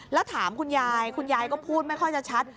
แล้วถามคุณยายคุณยายก็พูดไม่ค่อยจะชัด